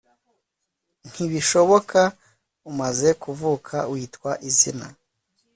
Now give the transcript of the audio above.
Ntibishoboka umaze kuvuka witwa izina